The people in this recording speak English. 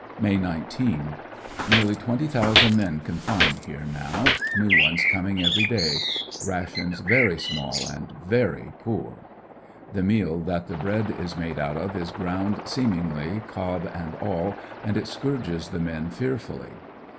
May 19. — Nearly twenty thousand men confined here now. New fOnes coming every day. Rations xery small and ^ery poor. The meal that the bread is made out of is ground, seemingly, cob and all, and it scourges the men fearfully.